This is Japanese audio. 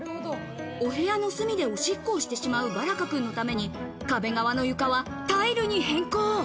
お部屋の隅で、おしっこをしてしまうバラカ君のために、壁側の床はタイルに変更。